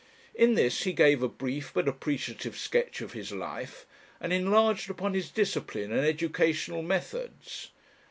In this he gave a brief but appreciative sketch of his life, and enlarged upon his discipline and educational methods.